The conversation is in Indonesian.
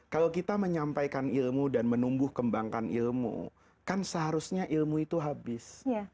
kalau kita menyampaikan ilmu dan menumbuh kembangkan ilmu kan seharusnya ilmu itu habis